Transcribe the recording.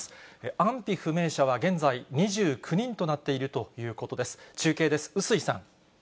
安否不明者は現在、２９人となっているということです。